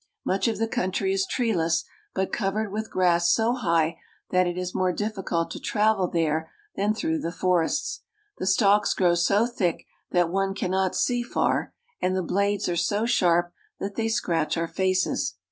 ' Much of the country is treeless, but covered with grass so high that it is more difficult to travel there than through the forests. The stalks grow so thick that one can not see far, and the blades are so sharp that they scratch our faces.